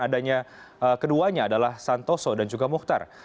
adanya keduanya adalah santoso dan juga muhtar